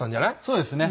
そうですね。